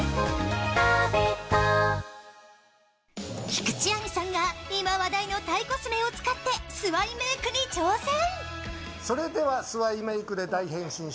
菊地亜美さんが今話題のタイコスメを使ってスワイメークに挑戦。